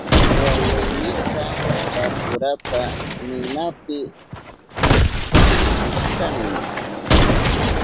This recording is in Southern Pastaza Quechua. Wawaynita wasurata ninapi wichuchishkani.